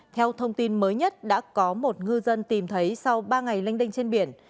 theo thông tin mới nhất đã có một ngư dân tìm thấy sau ba ngày lênh đênh trên biển